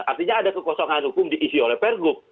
artinya ada kekosongan hukum diisi oleh pergub